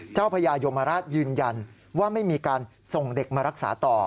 พญายมราชยืนยันว่าไม่มีการส่งเด็กมารักษาต่อ